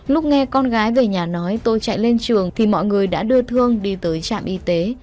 lúc nghe con gái về nhà nói tôi chạy lên trường thì mọi người đã đưa thương đi tới trạm y tế